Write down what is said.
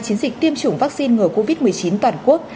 chiến dịch tiêm chủng vaccine ngừa covid một mươi chín toàn quốc